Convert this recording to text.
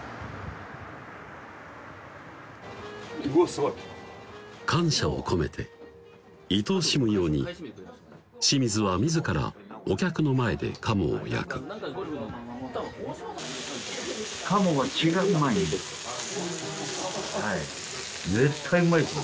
すごい感謝を込めていとおしむように清水は自らお客の前で鴨を焼く絶対うまいっすよ